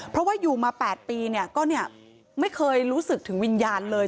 เพราะว่าอยู่มา๘ปีก็ไม่เคยรู้สึกถึงวิญญาณเลย